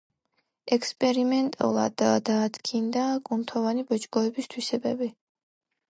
ექსპერიმენტულად დაადგინა კუნთოვანი ბოჭკოების თვისებები.